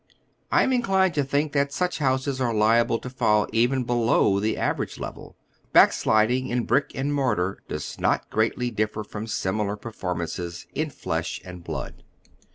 I am inclined to think that such houses are liable to fall even below the average level. Backsliding in brick and mortar docs not greatly differ from similar performances in flesh and blood.